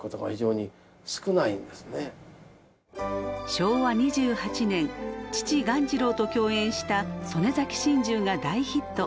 昭和２８年父鴈治郎と共演した「曽根崎心中」が大ヒット。